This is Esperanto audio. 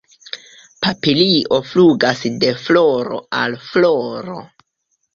Papilio flugas de floro al floro.